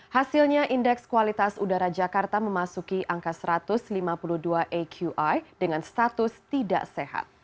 hasilnya indeks kualitas udara jakarta memasuki angka satu ratus lima puluh dua aqi dengan status tidak sehat